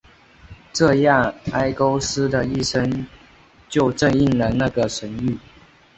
这样埃勾斯的一生就正应了那个神谕。